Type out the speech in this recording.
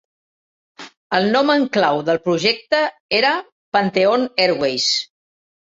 El nom en clau del projecte era Pantheon Airways.